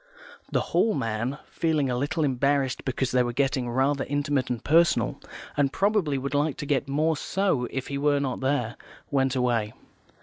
The Hall man, feeling a little embarrassed because they were getting rather intimate and personal, and probably would like to get more so if he were not there, went away.